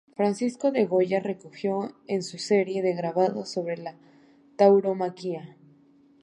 Francisco de Goya recogió en su serie de grabados sobre La Tauromaquia.